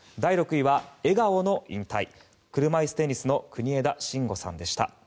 笑顔の引退、車いすテニスの国枝慎吾さんでした。